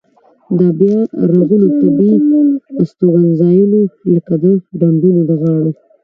دا بیا رغونه د طبیعي استوګنځایونو لکه د ډنډونو د غاړو.